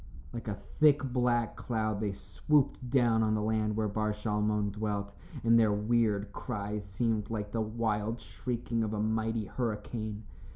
Like a thick black cloud they swooped down on the land where Bar Shalmon dwelt, and their weird cries seemed like the wild shrieking of a mighty hurricane.